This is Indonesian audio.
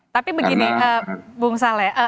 tapi begini bung saleh